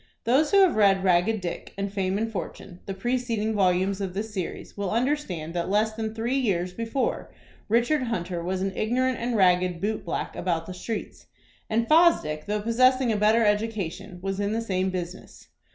Those who have read "Ragged Dick" and "Fame and Fortune," the preceding volumes of this series, will understand that less than three years before Richard Hunter was an ignorant and ragged boot black about the streets, and Fosdick, though possessing a better education, was in the same business.